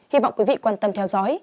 hy vọng quý vị quan tâm theo dõi